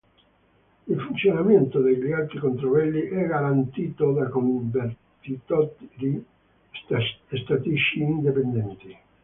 Il funzionamento degli altri controlli è garantito da convertitori statici indipendenti.